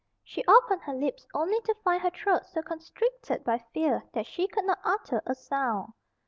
She opened her lips only to find her throat so constricted by fear that she could not utter a sound.